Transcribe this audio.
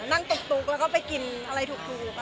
นั่งตุ๊กแล้วก็ไปกินอะไรตุ๊กอะไรอร่อยค่ะ